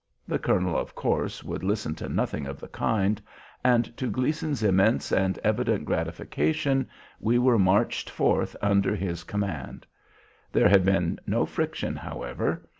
The colonel, of course, would listen to nothing of the kind, and to Gleason's immense and evident gratification we were marched forth under his command. There had been no friction, however.